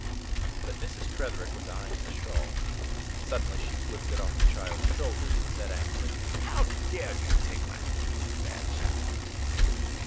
But Mrs. Tretherick was eying the shawl. Suddenly she whipped it off the child's shoulders, and said angrily: "How dared you take my things, you bad child?"